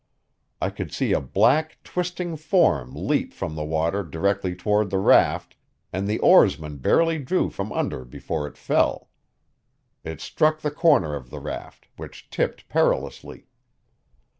I could see a black, twisting form leap from the water directly toward the raft, and the oarsman barely drew from under before it fell. It struck the corner of the raft, which tipped perilously.